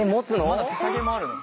まだ手さげもあるの？